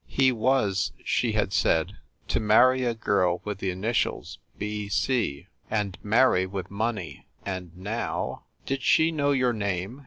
He was, she had said, to marry a girl with the initials "B. C." and marry with money, and now "Did she know your name?"